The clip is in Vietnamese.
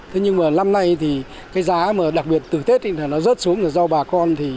thế nhưng mà năm nay thì cái giá mà đặc biệt từ tết thì nó rớt xuống là do bà con